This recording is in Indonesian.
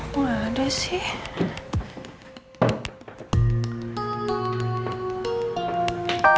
kemarin saya bakal turun